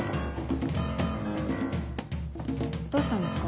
どうしたんですか？